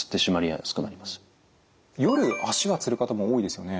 夜足がつる方も多いですよね。